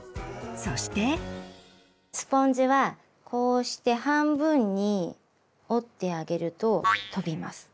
スポンジはこうして半分に折ってあげると飛びます。